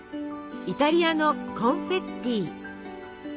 イタリアのコンフェッティ。